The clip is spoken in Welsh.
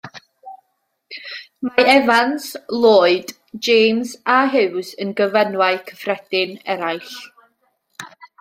Mae Evans, Lloyd, James a Hughes yn gyfenwau cyffredin eraill.